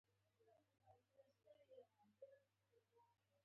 قوانین د پاچا رعیت ته خپل ځای منلو اړ کوي.